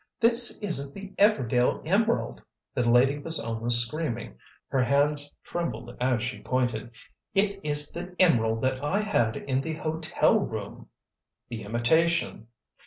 "This isn't the Everdail Emerald," the lady was almost screaming, her hands trembled as she pointed. "It is the emerald that I had in the hotel room——" "The imitation!"